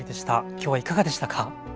今日はいかがでしたか？